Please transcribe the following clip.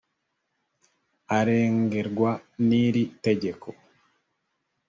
arengerwa n iri tegeko